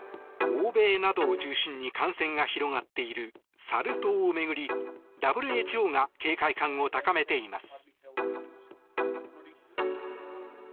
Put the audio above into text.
欧米などを中心に感染が広がっているサル痘を巡りＷＨＯが警戒感を高めています。